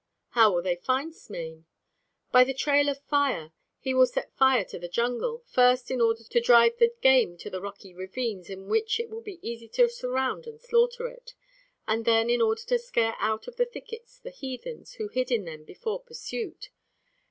"How will they find Smain?" "By the trail of fire. He will set fire to the jungle, first, in order to drive the game to the rocky ravines in which it will be easy to surround and slaughter it, and then in order to scare out of the thickets the heathens, who hid in them before pursuit.